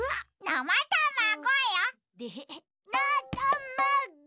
なたまご。